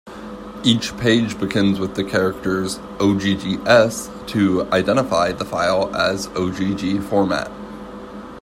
Each page begins with the characters, "OggS", to identify the file as Ogg format.